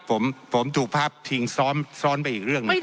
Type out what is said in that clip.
ผมผมผมถูกภาพทิ้งซ้อนซ้อนไปอีกเรื่องนะครับ